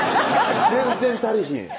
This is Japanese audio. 全然足りひん